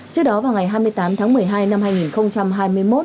trước đó vào ngày hai mươi tám tháng một mươi hai năm hai nghìn hai mươi một